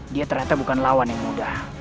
dia ternyata bukan lawan yang mudah